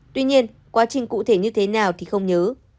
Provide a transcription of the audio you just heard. tuy nhiên quá trình cụ thể như thế nào thì không nhớ